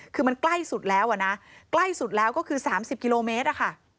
คือมันใกล้สุดแล้วอะนะใกล้สุดแล้วก็คือ๓๐กิโลเมตรอะค่ะ